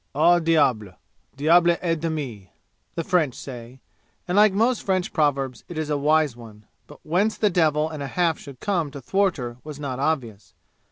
"Au diable, diable et demie!" the French say; and like most French proverbs it is a wise one. But whence the devil and a half should come to thwart her was not obvious.